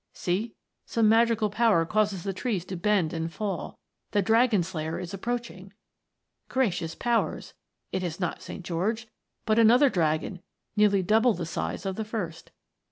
See ! some magic power causes the trees to bend and fall the dragon slayer is approaching ! Gra cious powers ! It is not St. George, but another Dragon nearly double the size of the first.